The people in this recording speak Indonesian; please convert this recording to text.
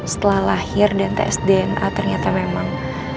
setelah lahir dan tes dna ternyata memang